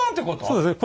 そうですね。